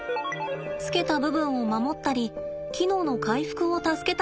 つけた部分を守ったり機能の回復を助けたりします。